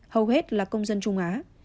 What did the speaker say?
hầu hết là công dân trung á